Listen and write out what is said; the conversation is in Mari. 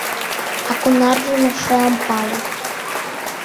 А кунаржым эше ом пале.